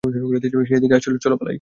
সে এদিকে আসছে, চলো পালাই।